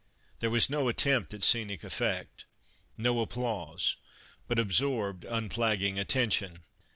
There was no attempt at scenic effect, no applause, but absorbed, unflagging attention.